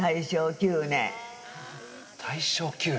大正９年。